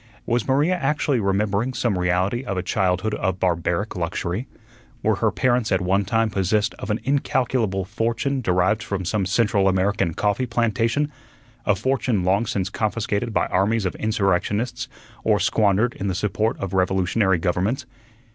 Was Maria actually remembering some reality of a childhood of barbaric luxury? Were her parents at one time possessed of an incalculable fortune derived from some Central American coffee plantation, a fortune long since confiscated by armies of insurrectionists, or squandered in the support of revolutionary governments?